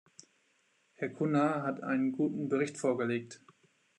Herr Cunha hat einen guten Bericht vorgelegt.